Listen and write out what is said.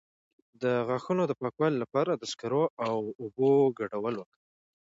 د غاښونو د پاکوالي لپاره د سکرو او اوبو ګډول وکاروئ